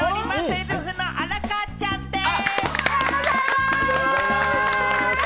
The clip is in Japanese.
エルフの荒川ちゃんでぃす。